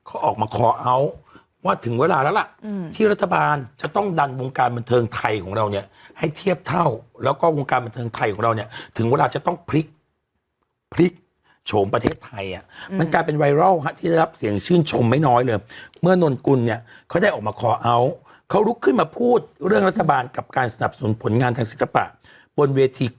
เขาออกมาคอเอาท์ว่าถึงเวลาแล้วล่ะที่รัฐบาลจะต้องดันวงการบันเทิงไทยของเราเนี่ยให้เทียบเท่าแล้วก็วงการบันเทิงไทยของเราเนี่ยถึงเวลาจะต้องพลิกพลิกโฉมประเทศไทยอ่ะมันกลายเป็นไวรัลฮะที่ได้รับเสียงชื่นชมไม่น้อยเลยเมื่อนนกุลเนี่ยเขาได้ออกมาคอเอาท์เขาลุกขึ้นมาพูดเรื่องรัฐบาลกับการสนับสนุนผลงานทางศิลปะบนเวที